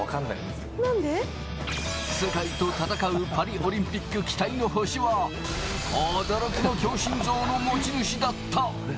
世界と戦うパリオリンピック期待の星は驚きの強心臓の持ち主だった。